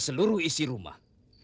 seluruh isi rumah